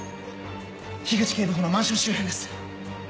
口警部補のマンション周辺です。